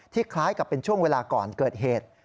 คล้ายกับเป็นช่วงเวลาก่อนเกิดเหตุ